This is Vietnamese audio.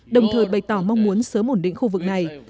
đồng thời bày tỏ mong muốn sớm ổn định khu vực này